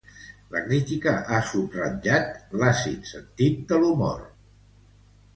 La crítica ha subratllat l'àcid sentit de l'humor.